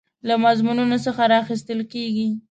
له مضمونونو څخه راخیستل کیږي.